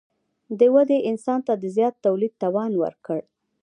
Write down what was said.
دې ودې انسان ته د زیات تولید توان ورکړ.